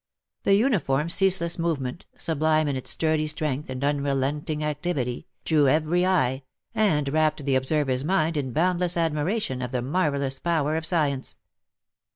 The uniform ceaseless movement, sublime in its sturdy strength and unrelenting activity, drew every eye, and rapt the observer's mind in boundless admiration of the marvel lous power of science